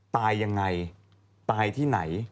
ตายยังไงตายที่ไหน